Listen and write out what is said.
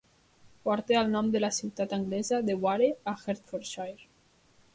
Porta el nom de la ciutat anglesa de Ware a Hertfordshire.